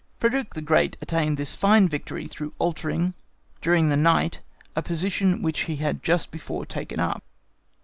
Frederick the Great gained this fine victory through altering during the night a position which he had just before taken up.